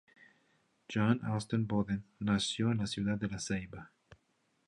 John Alston Bodden nació en la ciudad de La Ceiba.